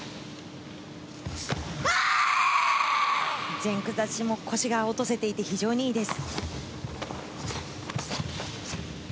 前屈立ちも腰が落とせていて非常にいいです。